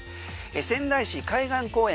仙台市・海岸公園